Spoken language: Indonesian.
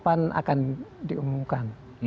kapan akan diumumkan